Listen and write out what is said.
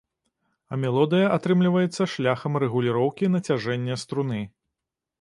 А мелодыя атрымліваецца шляхам рэгуліроўкі нацяжэння струны.